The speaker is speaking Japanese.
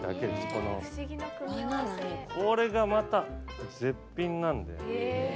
これがまた絶品なんで。